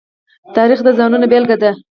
تاریخ د ځانونو بېلګه ده.